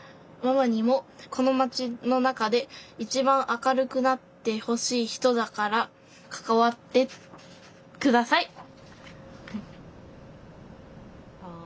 ママにもこの町の中でいちばん明るくなってほしい人だから関わってください」。